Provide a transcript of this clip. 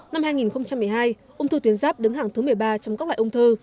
năm hai nghìn một mươi hai ung thư tuyến giáp đứng hàng thứ một mươi ba trong các loại ung thư